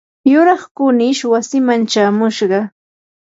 yuraq kunish wasiiman chamushqa.